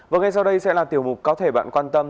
và ngay sau đây sẽ là tiểu mục có thể bạn quan tâm